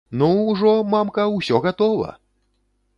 Ну, ужо, мамка, усё гатова!